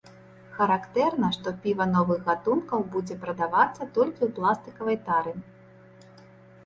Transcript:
Характэрна, што піва новых гатункаў будзе прадавацца толькі ў пластыкавай тары.